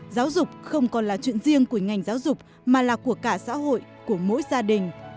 giáo dục không còn là chuyện riêng của ngành giáo dục mà là của cả xã hội của mỗi gia đình